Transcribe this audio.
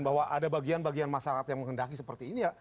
bahwa ada bagian bagian masyarakat yang mengendaki seperti ini